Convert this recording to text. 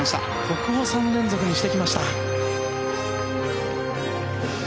ここを３連続にしてきました。